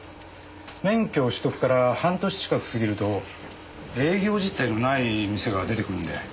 免許取得から半年近く過ぎると営業実態のない店が出てくるんで。